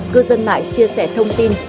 cư dân mạng chia sẻ thông tin